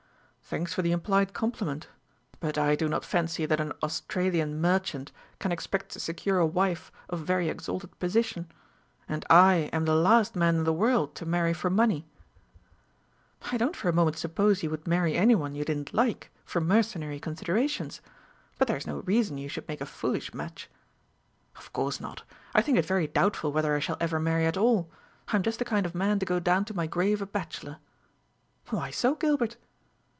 "Thanks for the implied compliment; but I do not fancy that an Australian merchant can expect to secure a wife of very exalted position; and I am the last man in the world to marry for money." "I don't for a moment suppose you would marry any one you didn't like, from mercenary considerations; but there is no reason you should make a foolish match." "Of course not. I think it very doubtful whether I shall ever marry at all. I am just the kind of man to go down to my grave a bachelor." "Why so, Gilbert?"